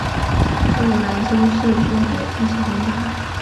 苏格兰修士数量也开始增加。